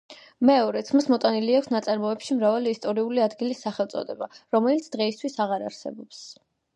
მეორეც, მას მოტანილი აქვს ნაწარმოებში მრავალი ისტორიული ადგილის სახელწოდება, რომელიც დღეისათვის აღარ არსებობს.